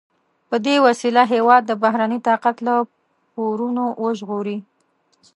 په دې وسیله هېواد د بهرني طاقت له پورونو وژغوري.